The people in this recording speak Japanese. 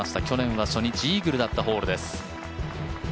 去年は初日イーグルだったホールです。